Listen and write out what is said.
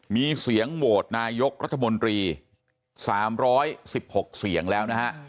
มีเสียงโหวตนายกรัฐมนตรี๓๑๖เสียงแล้วนะฮะ